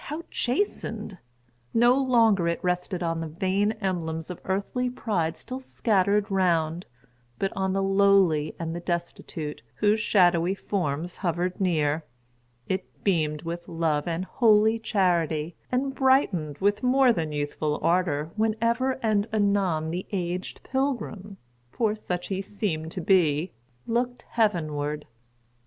how chastened! No longer it rested on the vain emblems of earthly pride still scattered round; but on the lowly and the destitute, whose shadowy forms hovered near, it beamed with love and holy charity; and brightened with more than youthful ardor whenever and anon the aged pilgrim—for such he seemed to be—looked heavenward.